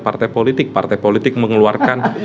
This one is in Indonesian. partai politik partai politik mengeluarkan